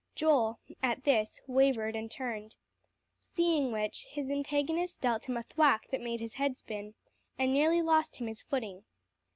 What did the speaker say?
Joel, at this, wavered, and turned. Seeing which, his antagonist dealt him a thwack that made his head spin, and nearly lost him his footing.